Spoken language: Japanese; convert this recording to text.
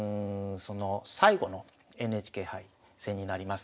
最後のＮＨＫ杯戦になります。